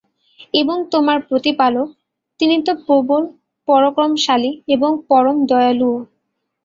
এবং তোমার প্রতিপালক, তিনি তো প্রবল পরাক্রমশালী এবং পরম দয়ালুও।